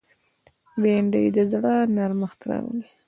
بېنډۍ د زړه نرمښت راولي